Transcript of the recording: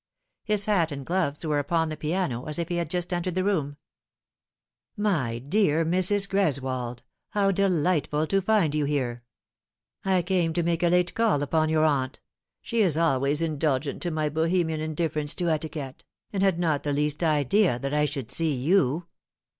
His hat and gloves were upon the piano, as if he had just entered the room. " My dear Mrs. Greswold, how delightful to find you here 1 I came to make a late call upon your aunt she is always indul gent to my Bohemian indifference to etiquette and had not the least idea that I should see you."